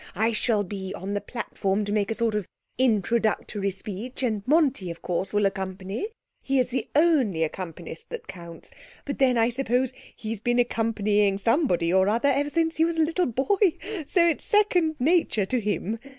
I shall be on the platform to make a sort of introductory speech and Monti, of course, will accompany. He is the only accompanist that counts. But then I suppose he's been accompanying somebody or other ever since he was a little boy, so it's second nature to him.